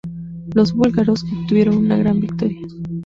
Los búlgaros obtuvieron una gran victoria.